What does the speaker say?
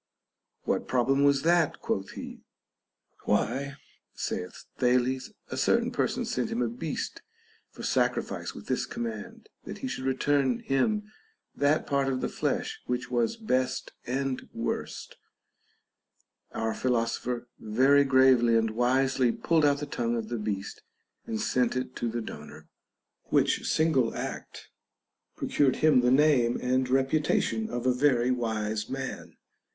What prob lem was that ] quoth he. Why, saith Thales, a certain person sent him a beast for sacrifice with this command, that he should return him that part of his flesh which was best and worst ; our philosopher very gravely and wisely pulled out the tongue of the beast, and sent it to the donor ;— which single act procured him the name and reputation of a very wise man.